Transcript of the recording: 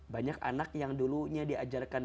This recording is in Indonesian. banyak anak yang dulunya diajarkan